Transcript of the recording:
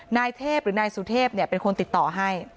นายเทพหรือนายสุเทพเป็นคนติดต่อให้